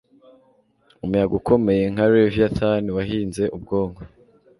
Umuyaga ukomeye nka leviathan wahinze ubwonko